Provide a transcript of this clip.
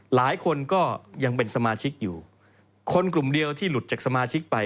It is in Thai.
หลายคนก็ยังเป็นสมาชิกอยู่คนกลุ่มเดียวที่หลุดจากสมาชิกไป